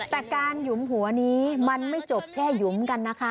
แต่การหยุมหัวนี้มันไม่จบแค่หยุมกันนะคะ